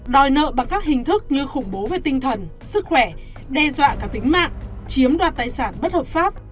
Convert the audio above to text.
đòi nợ bằng các hình thức như khủng bố về tinh thần sức khỏe đe dọa cả tính mạng chiếm đoạt tài sản bất hợp pháp